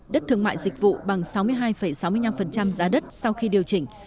đất thương mại dịch vụ bằng sáu mươi hai sáu mươi năm giá đất sau khi điều chỉnh